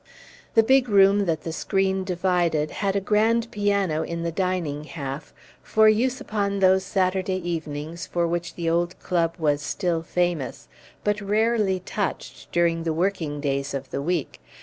The big room that the screen divided had a grand piano in the dining half, for use upon those Saturday evenings for which the old club was still famous, but rarely touched during the working days of the week.